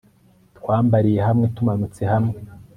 twambaliye hamwe tumanutse hamwe